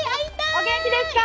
お元気ですか？